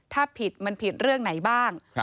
ถ้าผิดมันผิดเรื่องไหนบ้าง